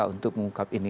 untuk mengungkap ini